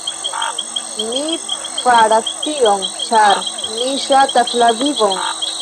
Mi faras tion, ĉar mi ŝatas la vivon!